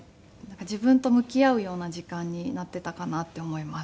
自分と向き合うような時間になっていたかなって思います。